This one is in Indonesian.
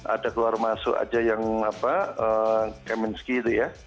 ada keluar masuk saja yang keminski itu ya